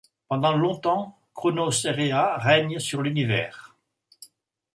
Pendant longtemps, Cronos et Rhéa règnent sur l'Univers.